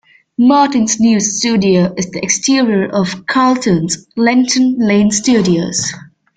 Martin's news studio is the exterior of Carlton's Lenton Lane studios.